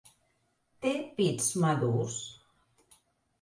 Té pits madurs?